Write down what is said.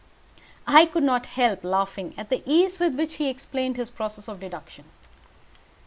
I could not help laughing at the ease with which he explained his process of deduction.